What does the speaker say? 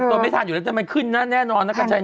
๑๐๐๐ตัวไม่ทันอยู่แล้วแต่มันขึ้นนะแน่นอนนะข้าชายหน้อ